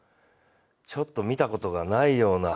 ちょっと見たことがないような